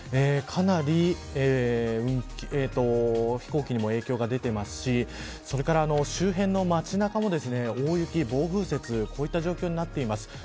かなり飛行機にも影響が出ていますしそれから周辺の街中も大雪、暴風雪こういった状況になっています。